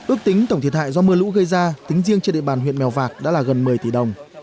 ước tính tổng thiệt hại do mưa lũ gây ra tính riêng trên địa bàn huyện mèo vạc đã là gần một mươi tỷ đồng